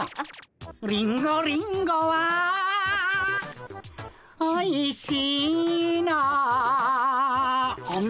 「リンゴリンゴはおいしいな」あむ。